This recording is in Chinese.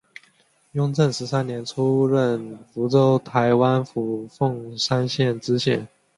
雍正十三年出任福建台湾府凤山县知县。